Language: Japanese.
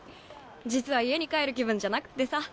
実は家に帰る気分じゃなくてさ。